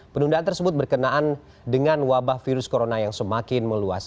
penundaan tersebut berkenaan dengan wabah virus corona yang semakin meluas